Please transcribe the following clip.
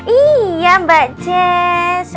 iya mbak jess